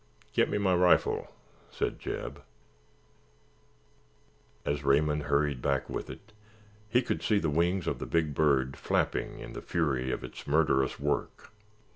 "Get me my rifle," said Jeb. As Raymond hurried back with it, he could see the wings of the big bird flapping in the fury of its murderous work.